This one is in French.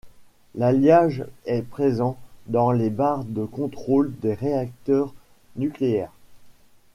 L'alliage est présent dans les barres de contrôle des réacteurs nucléaires.